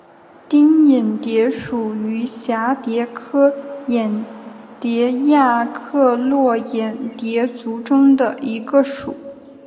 玎眼蝶属是蛱蝶科眼蝶亚科络眼蝶族中的一个属。